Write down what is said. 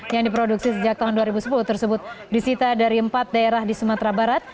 yang diproduksi sejak tahun dua ribu sepuluh tersebut disita dari empat daerah di sumatera barat